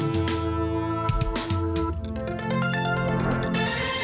สวัสดีครับ